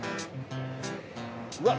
うわっ！